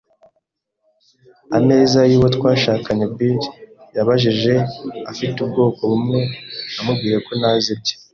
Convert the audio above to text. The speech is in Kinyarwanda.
ameza y'uwo twashakanye Bill? ” yabajije afite ubwoko bumwe. Namubwiye ko ntazi ibye